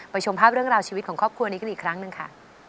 ชมภาพเรื่องราวชีวิตของครอบครัวนี้กันอีกครั้งหนึ่งค่ะ